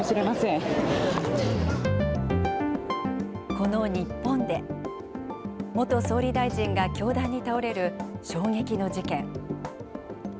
この日本で、元総理大臣が凶弾に倒れる衝撃の事件。